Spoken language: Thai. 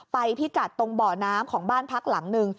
ไปที่กัดตรงบ่อน้ำของบ้านพักหลังหนึ่ง